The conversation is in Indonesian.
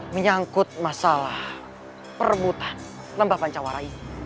menyangkut masalah perebutan lembah pancawara ini